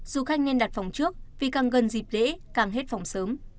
du khách nên đặt phòng trước vì càng gần dịp lễ càng hết phòng sớm